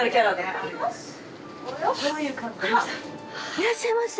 いらっしゃいませ。